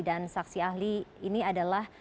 dan saksi ahli ini adalah